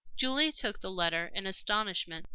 Julie took the letter in astonishment.